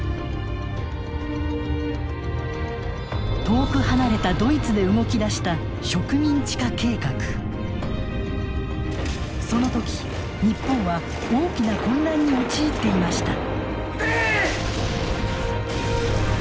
遠く離れたドイツで動き出したその時日本は大きな混乱に陥っていました。